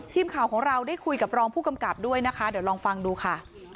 ทีมข่าวของเราได้คุยกับรองผู้กำกับด้วยนะคะเดี๋ยวลองฟังดูค่ะ